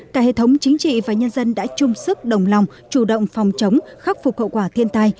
cả hệ thống chính trị và nhân dân đã chung sức đồng lòng chủ động phòng chống khắc phục hậu quả thiên tai